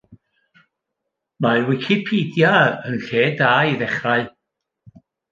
Mae Wicpedia yn lle da i ddechrau.